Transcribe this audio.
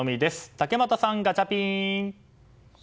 竹俣さん、ガチャピン！